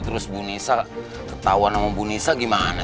terus bu nisa ketahuan sama bu nisa gimana